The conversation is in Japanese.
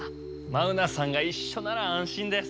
マウナさんがいっしょなら安心です。